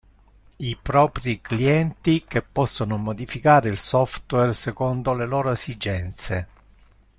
I propri clienti che possono modificare il software secondo le loro esigenze.